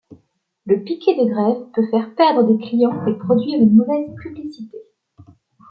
Le piquet de grève peut faire perdre des clients et produire une mauvaise publicité.